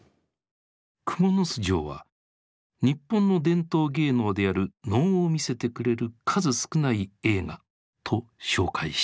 「『蜘蛛巣城』は日本の伝統芸能である能を見せてくれる数少ない映画」と紹介している。